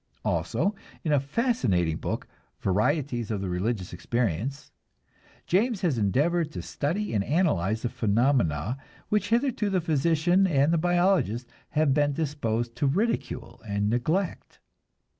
Also, in a fascinating book, "Varieties of the Religious Experience," James has endeavored to study and analyze the phenomena which hitherto the physician and the biologist have been disposed to ridicule and neglect.